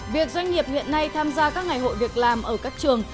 việc doanh nghiệp hiện nay tham gia các ngày hội việc làm ở các trường